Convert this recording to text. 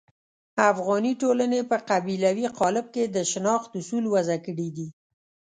افغاني ټولنې په قبیلوي قالب کې د شناخت اصول وضع کړي دي.